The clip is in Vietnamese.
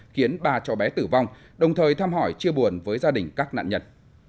khiến ba cháu bé tử vong đồng thời thăm hỏi chia buồn với gia đình các nạn nhân